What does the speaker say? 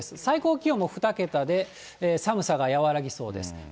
最高気温も２桁で、寒さが和らぎそうです。